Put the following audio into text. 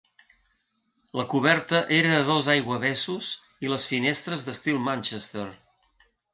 La coberta era de dos aiguavessos i les finestres d'estil Manchester.